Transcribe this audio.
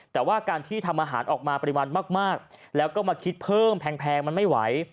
แต่ว่าการที่ทำอาหารออกมาปริมาณมากแล้วก็มาคิดเพิ่มแพงมันไม่ไหว